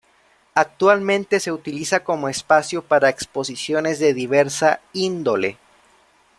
Actualmente se utiliza como espacio para exposiciones de diversa índole.